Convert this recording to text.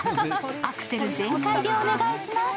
アクセル全開でお願いします。